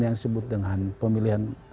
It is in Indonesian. yang disebut dengan pemilihan